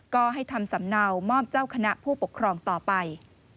ก็ให้ทำสำเนามอบเจ้าคณะผู้ปกครองต่อไป